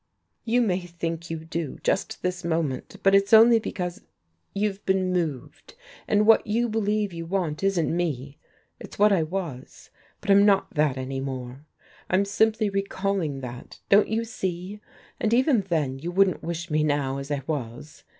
"You may think you do, just this moment, but it's only because you've been moved. And what you believe you want isn't me, it's what I was. But I'm not that any more, I'm simply recalling that, don't you see? And even then you wouldn't wish me, now, as I was.